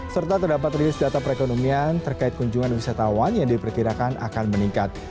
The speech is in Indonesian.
serta terdapat rilis data perekonomian terkait kunjungan wisatawan yang diperkirakan akan meningkat